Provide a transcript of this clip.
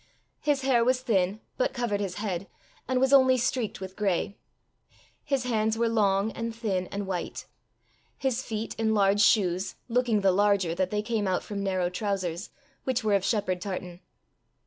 His hair was thin, but covered his head, and was only streaked with gray. His hands were long and thin and white; his feet in large shoes, looking the larger that they came out from narrow trousers, which were of shepherd tartan.